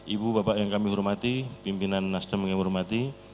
ibu bapak yang kami hormati pimpinan nasdem yang kami hormati